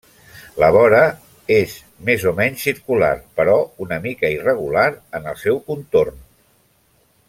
La vora és més o menys circular, però una mica irregular en el seu contorn.